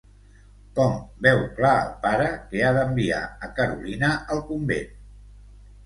Com veu clar el pare que ha d'enviar a Carolina al convent?